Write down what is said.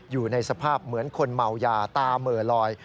อยู่ในสภาพเหมือนคนเมายาตาเหม่อลอย